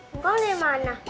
engkau dari mana